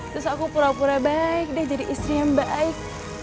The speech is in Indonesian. terus aku pura pura baik deh jadi istri yang baik